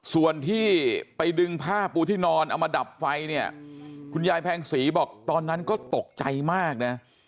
ส่วนที่ไปดึงผ้าปูที่นอนเอามาดับไฟเนี่ยคุณยายแพงศรีบอกตอนนั้นก็ตกใจมากนะ